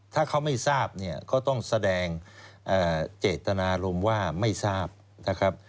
ถ้าเขาไม่ทราบเนี่ยเขาต้องแสดงเจตนารมว่าไม่ทราบ